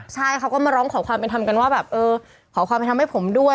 ใช่เขาก็มาร้องขอความเป็นธรรมกันว่าแบบเออขอความเป็นธรรมให้ผมด้วย